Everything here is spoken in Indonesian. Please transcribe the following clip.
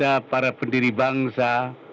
bagaimana kita menjadi bangsa